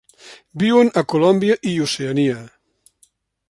Viuen a Colòmbia i Oceania.